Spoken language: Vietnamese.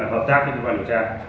là hợp tác với thư văn điều tra